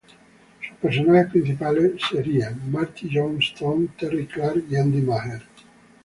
Sus personajes principales serán Marty Johnstone, Terry Clark y Andy Maher.